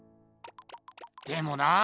でもなあ